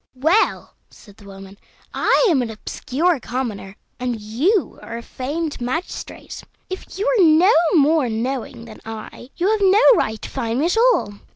"Well," said the woman, "I am an obscure commoner, and you are a famed magistrate; if you are no more knowing than I, you have no right to fine me at all.